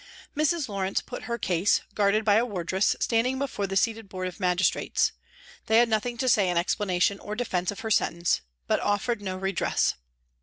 Mrs. Lawrence put her case, guarded by a wardress, standing before the seated board of Magistrates. They had nothing to say in explanation or defence of her sentence, but offered no redress.